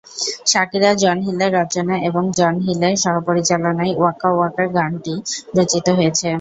শাকিরা-জন হিলের রচনা এবং জন হিলের সহ-পরিচালনায় ওয়াকা ওয়াকা গানটি রচিত হয়েছে।